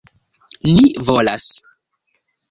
Ni volas.